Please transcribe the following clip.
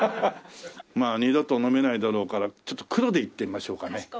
まあ二度と飲めないだろうからちょっと黒でいってみましょうかね。